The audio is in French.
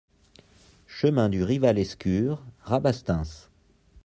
Chemin du Rival Escur, Rabastens